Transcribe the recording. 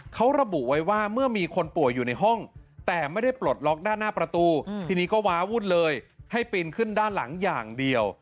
เขาระบุไว้ว่าเมื่อมีคนป่วยอยู่ในห้องแต่ไม่ได้ปลดล็อกด้านหน้าประตูทีนี้ก็ว้าวุ่นเลยให้ปีนขึ้นด้านหลังอย่างเดียว